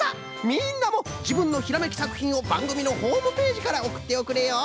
みんなもじぶんのひらめきさくひんをばんぐみのホームページからおくっておくれよ。